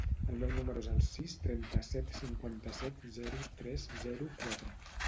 El meu número es el sis, trenta-set, cinquanta-set, zero, tres, zero, quatre.